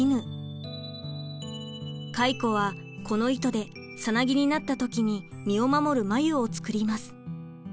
蚕はこの糸でさなぎになった時に身を守る繭を作ります。